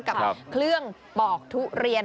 กับเครื่องปอกทุเรียน